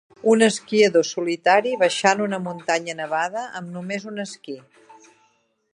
un esquiador solitari baixant una muntanya nevada amb només un esquí